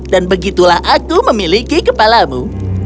dan begitulah aku memiliki kepalamu